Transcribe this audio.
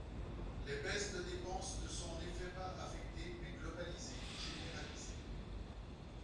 Les baisses de dépenses ne sont en effet pas affectées mais globalisées, généralisées.